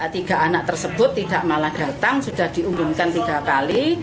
tiga anak tersebut tidak malah datang sudah diumumkan tiga kali